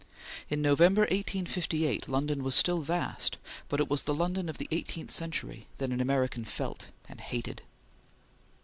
In November, 1858, London was still vast, but it was the London of the eighteenth century that an American felt and hated.